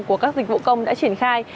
của các dịch vụ công đã triển khai